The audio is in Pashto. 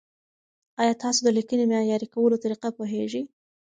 ایا تاسو د لیکنې معیاري کولو طریقه پوهېږئ؟